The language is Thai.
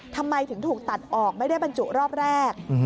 ทำไมถึงถูกตัดออกไม่ได้บรรจุรอบแรก